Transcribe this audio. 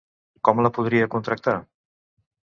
Com la podria contractar?